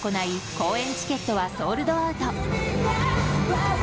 公演チケットはソールドアウト。